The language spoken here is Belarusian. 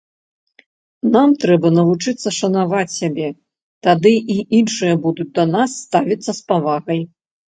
Нам трэба навучыцца шанаваць сябе, тады і іншыя будуць да нас ставіцца з павагай.